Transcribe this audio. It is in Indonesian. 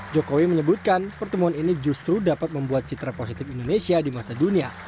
jokowi menyebutkan pertemuan ini justru dapat membuat citra positif indonesia di mata dunia